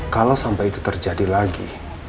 kalau sampai itu terjadi lagi